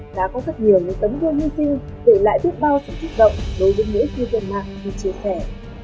đã có rất nhiều những tấm đuôi nguyên tiêu để lại đút bao sự thích động đối với nỗi thiêu gần mạng như chia sẻ